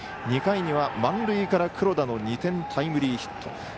２回には満塁から黒田の２点タイムリーヒット。